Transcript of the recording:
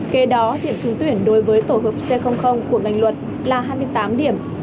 kế đó điểm trúng tuyển đối với tổ hợp c của ngành luật là hai mươi tám điểm